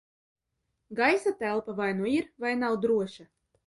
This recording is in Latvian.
Gaisa telpa vai nu ir, vai nav droša.